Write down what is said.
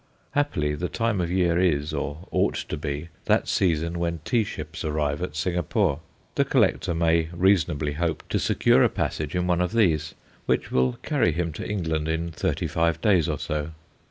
Happily, the time of year is, or ought to be, that season when tea ships arrive at Singapore. The collector may reasonably hope to secure a passage in one of these, which will carry him to England in thirty five days or so.